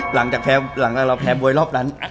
อ๋อหลังจากเราแพ้บ๊วยรอบนั้น